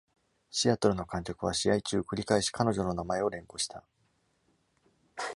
シアトルの観客は試合中、繰り返し彼女の名前を連呼した。